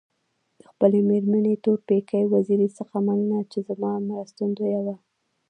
د خپلي مېرمني تورپیکۍ وزيري څخه مننه چي زما مرستندويه وه.